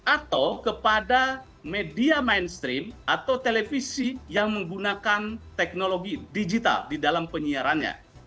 atau kepada media mainstream atau televisi yang menggunakan teknologi digital di dalam penyiarannya